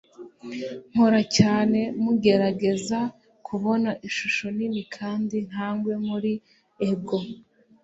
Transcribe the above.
nkora cyane mugerageza kubona ishusho nini kandi ntagwe muri ego